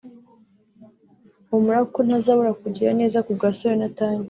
Humura kuko ntazabura kukugirira neza ku bwa So Yonatani